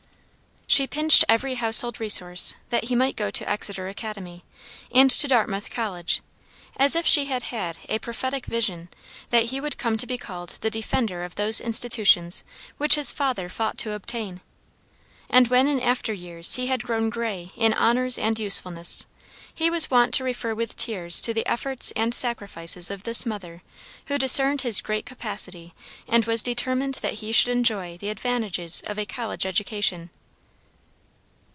She pinched every household resource that he might go to Exeter Academy, and to Dartmouth College, as if she had had a prophetic vision that he would come to be called the defender of those institutions which his father fought to obtain. And when in after years he had grown gray in honors and usefulness, he was wont to refer with tears to the efforts and sacrifices of this mother who discerned his great capacity and was determined that he should enjoy the advantages of a college education.